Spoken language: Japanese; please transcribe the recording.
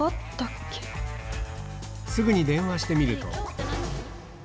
すぐに電話してみると。